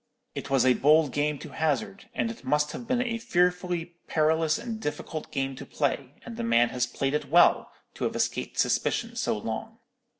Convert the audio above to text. It was a bold game to hazard, and it must have been a fearfully perilous and difficult game to play, and the man has played it well, to have escaped suspicion so long.